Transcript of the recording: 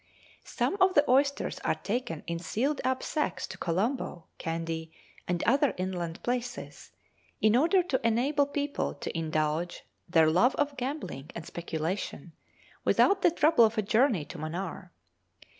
Some of the oysters are taken in sealed up sacks to Colombo, Kandy, and other inland places, in order to enable people to indulge their love of gambling and speculation, without the trouble of a journey to Manaar.